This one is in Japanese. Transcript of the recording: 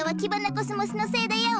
コスモスの精だよ。